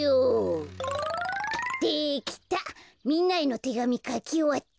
みんなへのてがみかきおわった。